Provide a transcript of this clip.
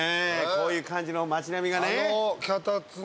こういう感じの街並みがねああ